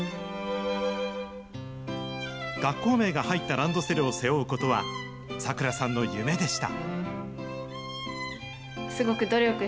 学校名が入ったランドセルを背負うことは、咲良さんの夢でした。